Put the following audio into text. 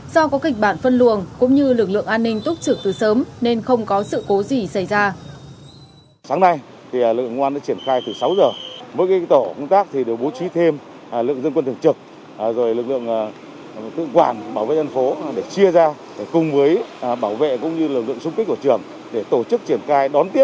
do có kịch bản phân luồng cũng như lực lượng an ninh túc trực từ sớm nên không có sự cố gì xảy ra